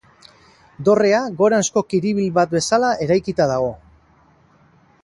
Dorrea goranzko kiribil bat bezala eraikita dago.